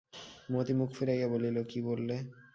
মতি মুখ ফিরাইয়া বলিল, কী বললে?